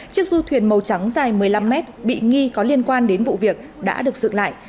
chiếc du thuyền màu trắng dài một mươi năm mét bị nghi có liên quan đến vụ việc đã được dựng lại